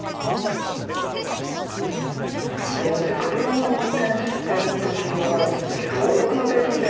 車を運転してる時は朗読のテープみたいなの僕